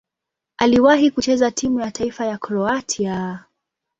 Aliwahi kucheza timu ya taifa ya Kroatia.